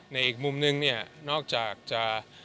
ในอีกมุมหนึ่งนอกจากจะ